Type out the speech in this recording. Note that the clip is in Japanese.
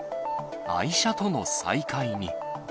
愛車との再会に。